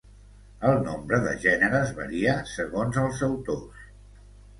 El nombre de gèneres varia segons els autors.